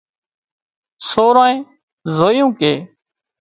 سورانئين زويُون ڪي